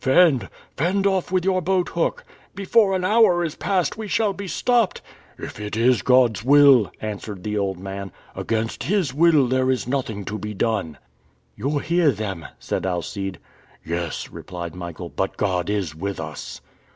"Fend! fend off with your boat hook!" "Before an hour is past we shall be stopped!" "If it is God's will!" answered the old man. "Against His will there is nothing to be done." "You hear them," said Alcide. "Yes," replied Michael, "but God is with us!"